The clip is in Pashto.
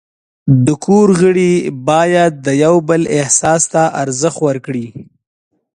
د کور غړي باید د یو بل احساس ته ارزښت ورکړي.